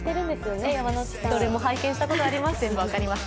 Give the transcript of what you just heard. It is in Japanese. どれも拝見したことあります。